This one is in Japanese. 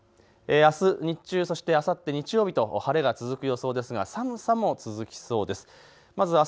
あす日中、あさって日曜日と晴れが続く予想ですが寒さも続きそうです。